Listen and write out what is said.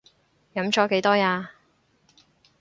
飲咗幾多呀？